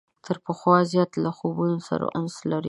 تر پخوا زیات له خوبونو سره انس لري.